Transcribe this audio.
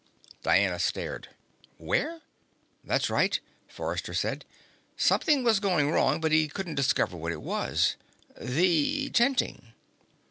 Diana stared. "Where?" "That's right," Forrester said. Something was going wrong but he couldn't discover what it was. "The tenting."